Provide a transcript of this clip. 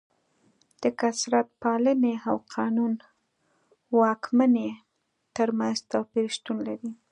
د کثرت پالنې او قانون واکمنۍ ترمنځ توپیر شتون لري.